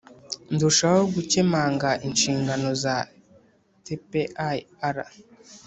ndushaho gukemanga inshingano za tpir.